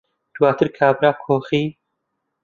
دواتر کابرا کۆخی